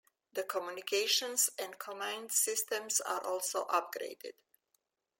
The communications and command systems are also upgraded.